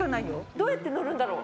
どうやって乗るんだろう。